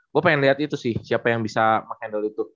gue pengen lihat itu sih siapa yang bisa menghandle itu